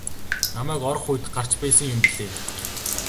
Намайг орох үед гарч байсан юм билээ.